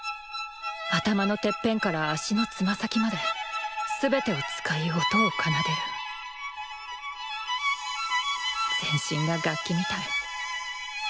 頭のてっぺんから足のつま先まですべてを使い音を奏でる全身が楽器みたい。